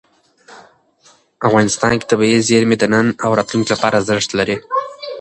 افغانستان کې طبیعي زیرمې د نن او راتلونکي لپاره ارزښت لري.